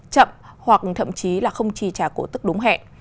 chí là không trì trả cổ tức đúng hẹn